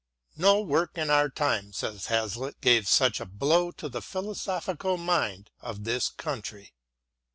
" No work in our time," said Hazlitt, " gave such a blow to the philosophical mind of this country."